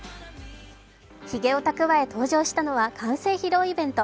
ひげをたくわえ、登場したのは完成披露イベント。